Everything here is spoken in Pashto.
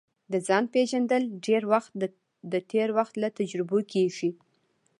د ځان پېژندل ډېری وخت د تېر وخت له تجربو کیږي